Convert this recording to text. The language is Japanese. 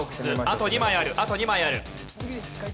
あと２枚あるあと２枚ある。